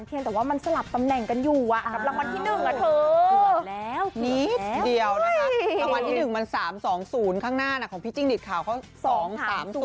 เดี๋ยวนะคะรางวัลที่๑มัน๓๒๐ข้างหน้าของพี่จิ้งหรีดข่าวเขา๒๓๐